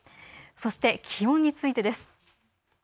そして気温についてです。